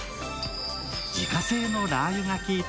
自家製のラー油がきいた